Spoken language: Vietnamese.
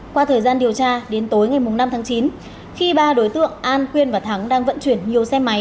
qua thời gian điều tra đến tối ngày năm tháng chín khi ba đối tượng an quyên và thắng đang vận chuyển nhiều xe máy